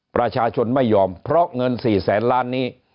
ประชาชนไม่ยอมเพราะเงิน๔แสนล้านนี้